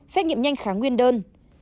xét nghiệm nhanh kháng nguyên đơn